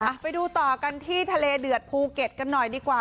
ไปดูต่อกันที่ทะเลเดือดภูเก็ตกันหน่อยดีกว่า